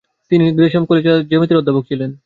তিনি গ্রেশাম কলেজে জ্যামিতির অধ্যাপক ছিলেন।